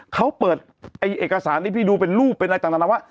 เขาเปิดไอ้เอกสารที่พี่ดูเป็นรูปเป็นอะไรต่างนานาว่า